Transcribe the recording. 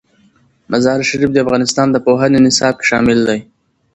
مزارشریف د افغانستان د پوهنې نصاب کې شامل دي.